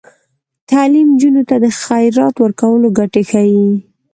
تعلیم نجونو ته د خیرات ورکولو ګټې ښيي.